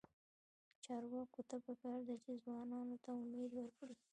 چارواکو ته پکار ده چې، ځوانانو ته امید ورکړي.